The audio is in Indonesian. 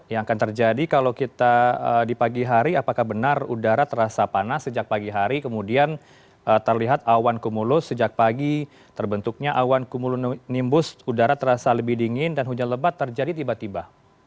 yang akan terjadi kalau kita di pagi hari apakah benar udara terasa panas sejak pagi hari kemudian terlihat awan kumulus sejak pagi terbentuknya awan kumulonimbus udara terasa lebih dingin dan hujan lebat terjadi tiba tiba